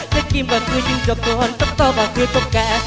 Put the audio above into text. จะกิ้มก็คือจงจบตัวตกตกออกคือตกแก